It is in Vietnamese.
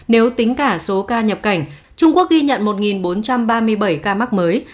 nếu tính cả số ca nhập cảnh trung quốc ghi nhận một bốn trăm ba mươi bảy ca mắc mới